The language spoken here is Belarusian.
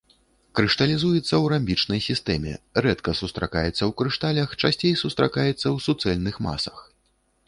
Крышталізуецца ў рамбічнай сістэме, рэдка сустракаецца ў крышталях, часцей сустракаецца ў суцэльных масах.